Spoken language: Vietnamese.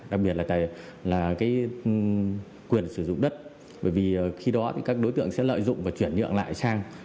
đặc biệt là quyền sử dụng đất bởi vì khi đó thì các đối tượng sẽ lợi dụng và chuyển nhượng lại sang